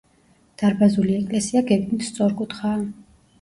დარბაზული ეკლესია გეგმით სწორკუთხაა.